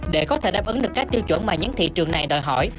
để có thể đáp ứng được các tiêu chuẩn mà những thị trường này đòi hỏi